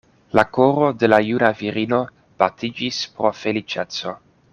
La koro de la juna virino batiĝis pro feliĉeco.